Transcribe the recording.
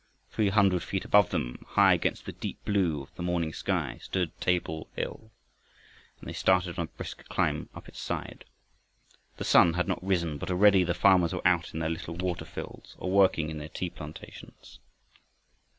Three hundred feet above them, high against the deep blue of the morning sky, stood Table Hill, and they started on a brisk climb up its side. The sun had not risen, but already the farmers were out in their little water fields, or working in their tea plantations.